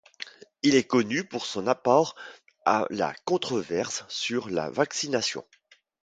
Il est connu pour son apport à la controverse sur la vaccination.